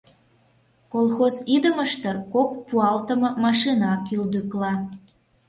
Колхоз идымыште кок пуалтыме машина кӱлдӱкла.